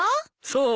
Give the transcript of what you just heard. そう！